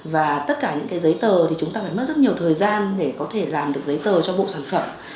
và tất cả những cái giấy tờ thì chúng ta phải mất rất nhiều thời gian để có thể làm được giấy tờ cho bộ sản phẩm